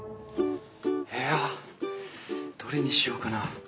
いやどれにしようかな。